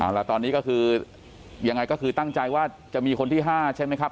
แล้วตอนนี้ก็คือยังไงก็คือตั้งใจว่าจะมีคนที่๕ใช่ไหมครับ